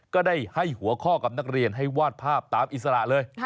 ก็ได้ให้หัวข้อกับนักเรียนให้วาดภาพตามอิสระเลย